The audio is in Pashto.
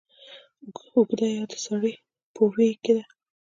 اوږده يا د سړې په ویي کې ده